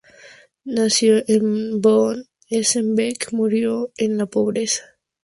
Nacido von Esenbeck murió en la pobreza.